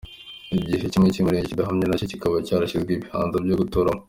Igice kimwe cy’uyu murenge kidahanamye nacyo kikaba cyarasijijwemo ibibanza byo guturamo.